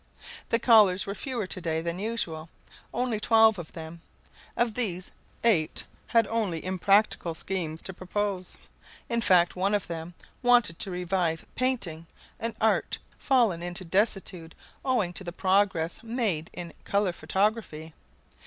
The callers were fewer to day than usual only twelve of them. Of these, eight had only impracticable schemes to propose. In fact, one of them wanted to revive painting, an art fallen into desuetude owing to the progress made in color photography.